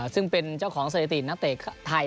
ซึ่งเป็นเจ้าของสถิตินักเตะไทย